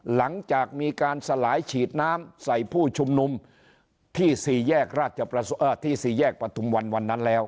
หลังจากมีการสลายฉีดน้ำใส่ผู้ชุมนุมที่๔แยกประทุมวันวันนั้นแล้ว